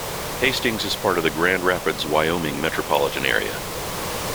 Hastings is part of the Grand Rapids-Wyoming metropolitan area.